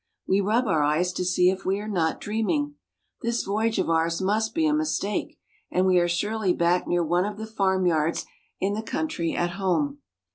We rub our eyes to see if we are not dreaming. This voyage of ours must be a mistake, and we are surely back near one of the farmyards in the country at home.